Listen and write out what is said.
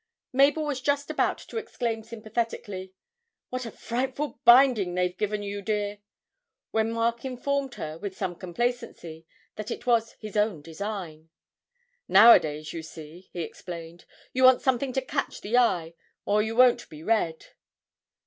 Mabel was just about to exclaim sympathetically, 'What a frightful binding they've given you, dear;' when Mark informed her, with some complacency, that it was his own design. 'Nowadays, you see,' he explained, 'you want something to catch the eye, or you won't be read!'